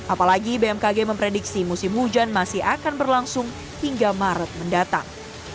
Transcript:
apalagi bmkg memprediksi musim hujan masih akan berlangsung hingga maret mendatang